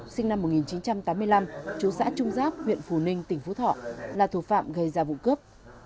sinh năm một nghìn chín trăm tám mươi năm chú xã trung giáp huyện phù ninh tỉnh phú thọ là thủ phạm gây ra vụ cướp